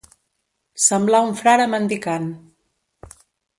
Semblar un frare mendicant.